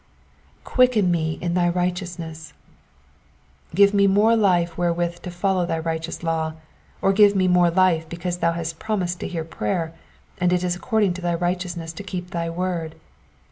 ^^Quieken me in thy righteousness,''^ Give me more life wherewith to follow thy righteous law ; or give me more life because thou hast promised to hear prayer, and it is according to thy righteousness to keep thy word.